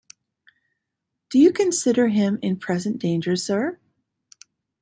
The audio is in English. Do you consider him in present danger, sir?